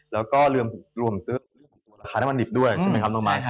แล้วก็รวมราคาน้ำมันดิบด้วยใช่ไหมครับน้องมาย